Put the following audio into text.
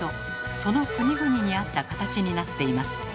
その国々に合った形になっています。